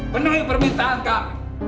penuhi permintaan kami